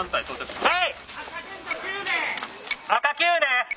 はい。